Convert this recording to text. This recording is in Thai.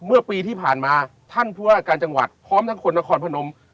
เมื่อปีที่ผ่านมาท่านผู้ว่าการจังหวัดพร้อมทั้งคนนครพนม